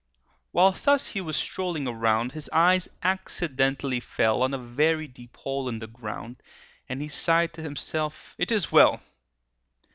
While thus he was strolling around, His eye accidentally fell On a very deep hole in the ground, And he sighed to himself, "It is well!"